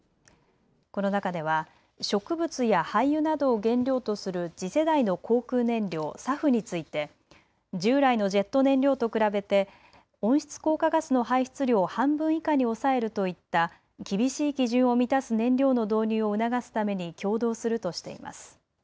この中では植物や廃油などを原料とする次世代の航空燃料、ＳＡＦについて従来のジェット燃料と比べて温室効果ガスの排出量を半分以下に抑えるといった厳しい基準を満たす燃料の導入を促すために協働するとしています。